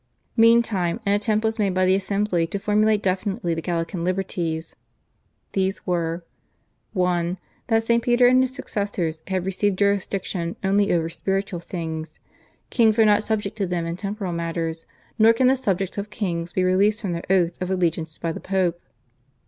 Meantime an attempt was made by the Assembly to formulate definitely the Gallican liberties. These were: (1) That Saint Peter and his successors have received jurisdiction only over spiritual things. Kings are not subject to them in temporal matters, nor can the subjects of kings be released from their oath of allegiance by the Pope.